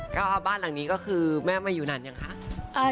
ก็บ้านหลังนี้ก็คือแม่มาอยู่นานยังคะ